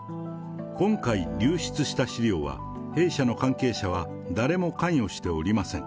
今回流出した資料は、弊社の関係者は誰も関与しておりません。